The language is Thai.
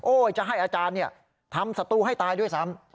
โอ๊ยจะให้อาจารย์นี่ทำสัตว์ตู้ให้ตายด้วยซ้ำ